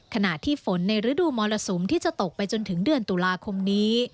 ขณะที่ฝนในฤดูมรสุมที่จะตกไปจนถึงเดือนตุลาคมนี้